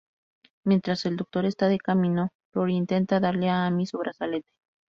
Mientras el Doctor está de camino, Rory intenta darle a Amy su brazalete.